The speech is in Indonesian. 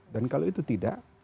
dan kalau itu tidak